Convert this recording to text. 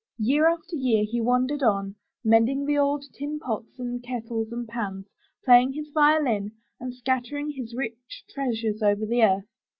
Year after year, he wandered on, mending the old tin pots and kettles and pans, playing his violin, and scattering his rich treasures over the earth.